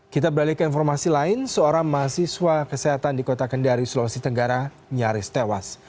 kita beralih ke informasi lain seorang mahasiswa kesehatan di kota kendari sulawesi tenggara nyaris tewas